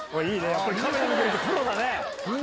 やっぱカメラ向けるとプロだね。